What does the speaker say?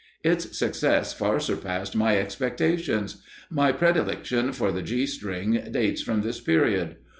Its success far surpassed my expectations. My predilection for the G string dates from this period.